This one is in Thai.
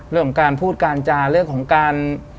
เรื่องของการพูดการจาเรื่องของการ